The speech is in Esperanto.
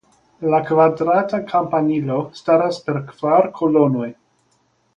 La kvadrata kampanilo staras per kvar kolonoj.